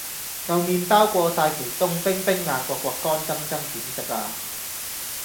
舊麵包過晒期凍冰冰硬掘掘乾爭爭點食呀